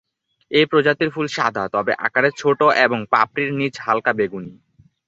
এই প্রজাতির ফুল সাদা, তবে আকারে ছোট এবং পাপড়ির নিচ হালকা বেগুনি।